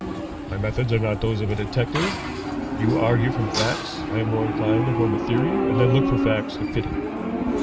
My methods are not those of a detective. You argue from facts; I am more inclined to form a theory, and then look for facts to fit it.